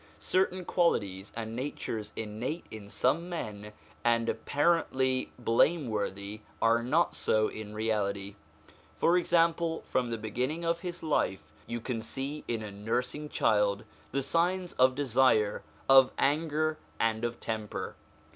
Certain qualities and natures innate in some men and apparently blameworthy are not so in reality. For example, from the beginning of his life you can see in a nursing child the signs of desire, of anger, and of temper.